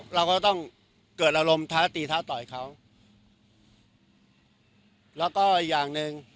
เราก็ต้องเกิดอารมณ์ท้าตีท้าต่อยเขาแล้วก็อีกอย่างหนึ่ง